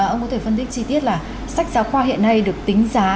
ông có thể phân tích chi tiết là sách giáo khoa hiện nay được tính giá